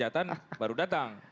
selesai kejahatan baru datang